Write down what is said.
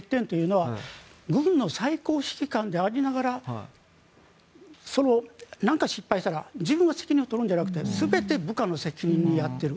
プーチン大統領の最大の欠点というのは軍の最高指揮官でありながら失敗したら自分が責任を取るんじゃなくて全て部下の責任にする。